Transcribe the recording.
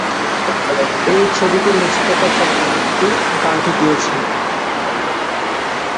এই ছবিতে নচিকেতা চক্রবর্তী গানটি গেয়েছেন।